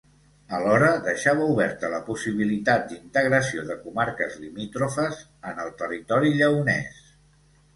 Alhora, deixava oberta la possibilitat d'integració de comarques limítrofes en el territori lleonès.